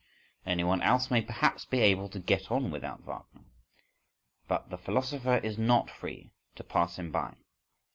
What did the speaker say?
Anyone else may perhaps be able to get on without Wagner: but the philosopher is not free to pass him by.